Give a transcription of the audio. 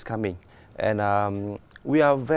anh đã nói về